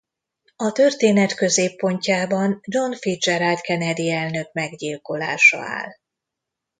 A történet középpontjában John Fitzgerald Kennedy elnök meggyilkolása áll.